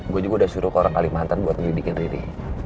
gue juga udah suruh ke orang kalimantan buat ngelidikin diri